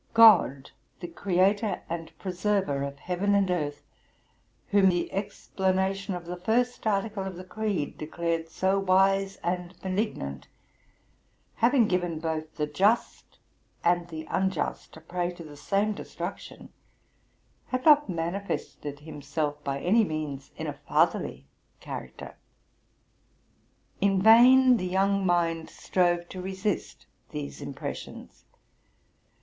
God, the Creator and Preserver of heaven and earth, whom the explanation of the first article of the creed declared so wise and benignant, having given both the just and the unjust a prey to the same destruction, had not manifested himself by any means in a fatherly character. In vain the young mind strove to resist these impressions.